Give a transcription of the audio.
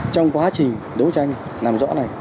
trong quá trình đấu tranh làm rõ này